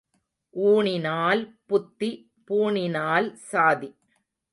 ஊணினால் புத்தி பூணினால் சாதி.